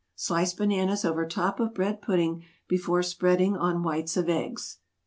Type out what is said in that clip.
Slice bananas over top of Bread Pudding before spreading on whites of eggs (No.